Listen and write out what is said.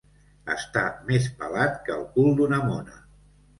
Estar més pelat que el cul d'una mona.